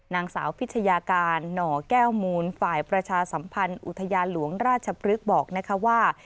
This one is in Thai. นางสาวพิชยาการหน่อแก้วมูลฝ่ายประชาสัมพันธ์อุทยานหลวงราชพฤกษ์บอกนะคะว่า